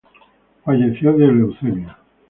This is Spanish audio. Falleció de leucemia.